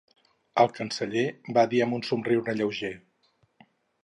El canceller va dir amb un somriure lleuger.